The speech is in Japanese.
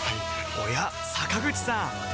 おや坂口さん